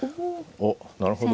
おっなるほど。